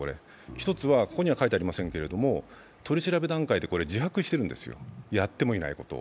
１つは、ここには書いてありませんけれども、取り調べ段階で自白しているんですよ。